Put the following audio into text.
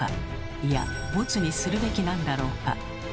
いやボツにするべきなんだろうか。